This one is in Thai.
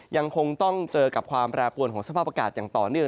ยังคงต้องเจอกับความแปรปวนของสภาพอากาศอย่างต่อเนื่อง